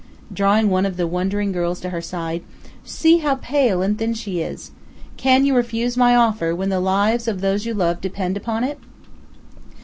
drawing one of the wondering girls to her side, "see how pale and thin she is! Can you refuse my offer when the lives of those you love depend upon it?"